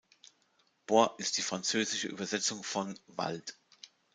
Bois ist die französische Übersetzung von „Wald“.